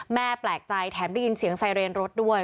แปลกใจแถมได้ยินเสียงไซเรนรถด้วย